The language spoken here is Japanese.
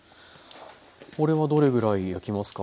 これはどれぐらい焼きますか。